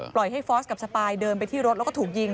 ให้ฟอสกับสปายเดินไปที่รถแล้วก็ถูกยิง